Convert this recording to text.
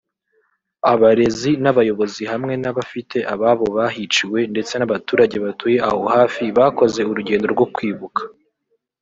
abarezi n’abayobozi hamwe n’abafite ababo bahiciwe ndetse n’abaturage batuye aho hafi bakoze urugendo rwo kwibuka